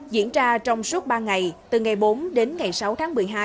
diễn ra trong suốt ba ngày từ ngày bốn đến ngày sáu tháng một mươi hai